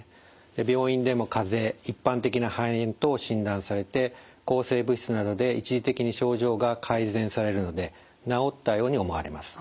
病院でもかぜ一般的な肺炎等診断されて抗生物質などで一時的に症状が改善されるので治ったように思われます。